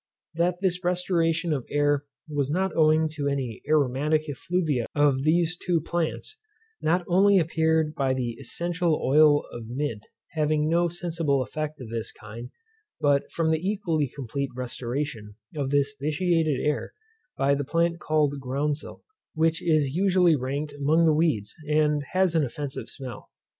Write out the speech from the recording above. That this restoration of air was not owing to any aromatic effluvia of these two plants, not only appeared by the essential oil of mint having no sensible effect of this kind; but from the equally complete restoration of this vitiated air by the plant called groundsel, which is usually ranked among the weeds, and has an offensive smell.